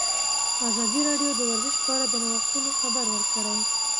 ازادي راډیو د ورزش په اړه د نوښتونو خبر ورکړی.